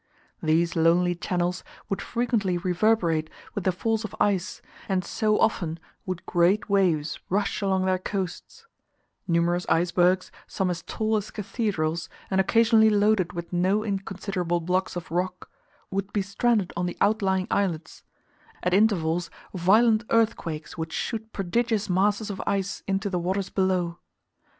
These lonely channels would frequently reverberate with the falls of ice, and so often would great waves rush along their coasts; numerous icebergs, some as tall as cathedrals, and occasionally loaded with "no inconsiderable blocks of rock," would be stranded on the outlying islets; at intervals violent earthquakes would shoot prodigious masses of ice into the waters below.